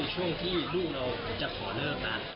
ช่วงที่เขาคงโผล่นี้คือช่วงที่ลูกเราจะขอเลิกนะ